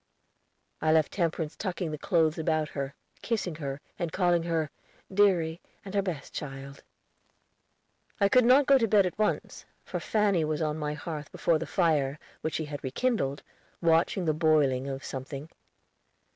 I left Temperance tucking the clothes about her, kissing her, and calling her "deary and her best child." I could not go to bed at once, for Fanny was on my hearth before the fire, which she had rekindled, watching the boiling of something.